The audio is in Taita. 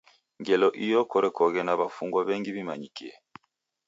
Ngelo iyo korekoghe na w'afungwa w'engi w'imanyikie.